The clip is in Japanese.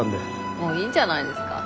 もういいんじゃないですか？